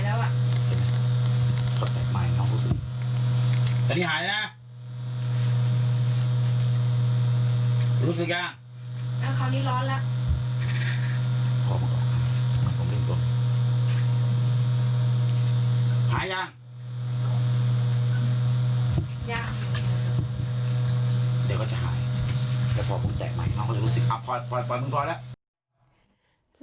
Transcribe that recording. แต่พอมันแตะใหม่มันก็จะรู้สึกอับปล่อยปล่อยปล่อยปล่อยปล่อยแล้ว